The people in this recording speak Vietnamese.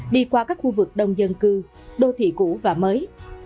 đi qua các khu vực đông dân cư đô thị cũ và mới